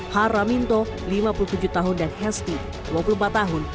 hara minto lima puluh tujuh tahun dan hesti dua puluh empat tahun